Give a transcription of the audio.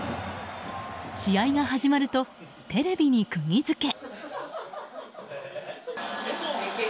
試合が始まるとテレビに釘づけ。